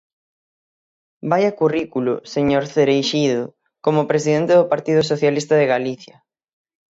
¡Vaia currículo, señor Cereixido, como presidente do Partido Socialista de Galicia!